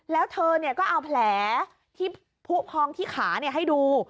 แล้วเธอก็เอาแผลที่ผู้พองที่ขาให้ดู